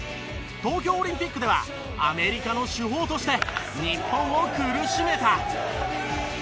東京オリンピックではアメリカの主砲として日本を苦しめた。